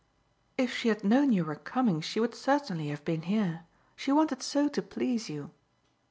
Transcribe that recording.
"If she had known you were coming she would certainly have been here. She wanted so to please you."